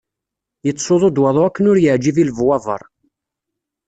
Yettsuḍu-d waḍu akken ur yeɛǧib i lebwaber.